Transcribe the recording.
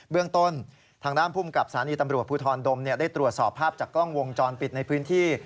เรื่องต้นทางด้านภูมิกับสถานีตำรวจภูทรดมได้ตรวจสอบภาพจากกล้องวงจรปิดในพื้นที่